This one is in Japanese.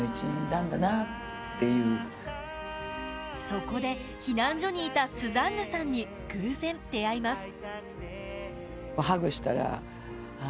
そこで避難所にいたスザンヌさんに偶然出会います